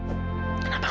aku tahu aku bernasib baik